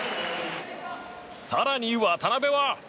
更に渡邉は。